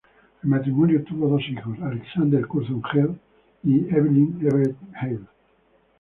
El matrimonio tuvo dos hijos, Alexander Curzon Hale y Evelyn Everett Hale.